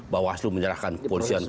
bawaslu menyerahkan kepolisian